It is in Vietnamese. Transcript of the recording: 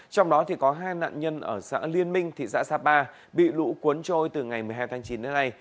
trong đó có hai nạn nhân ở xã liên minh thị xã sapa bị lũ cuốn trôi từ ngày một mươi hai tháng chín đến nay